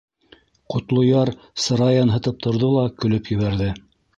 Ҡотлояр сырайын һытып торҙо ла көлөп ебәрҙе: